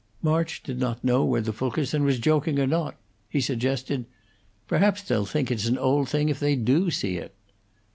March did not know whether Fulkerson was joking or not. He suggested, "Perhaps they'll think it's an old thing if they do see it."